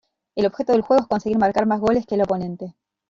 El objeto del juego es conseguir marcar más goles que el oponente.